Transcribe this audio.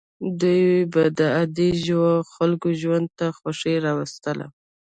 دوی به د عادي خلکو ژوند ته خوښي راوستله.